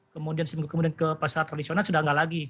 kemudian ke pasar tradisional sudah tidak lagi